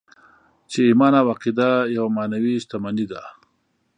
چې ايمان او عقیده يوه معنوي شتمني ده.